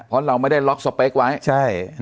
เพราะเราไม่ได้ล็อกสเปคไว้ใช่